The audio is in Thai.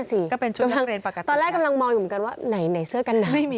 นั่นแหละสิตอนแรกกำลังมองอยู่เหมือนกันว่าไหนเสื้อกันน่ะ